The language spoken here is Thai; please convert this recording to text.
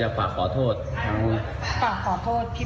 นู้นไม่ได้ตั้งใจจริงจริง